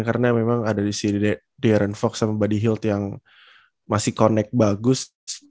karena memang ada di sini darren fox sama buddy hilt yang masih connect bagus